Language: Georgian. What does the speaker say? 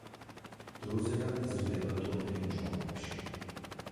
დროზერა იზრდება ტორფიან ჭაობებში.